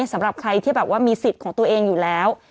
สำหรับใครที่แบบว่ามีสิทธิ์ของตัวเองอยู่แล้ว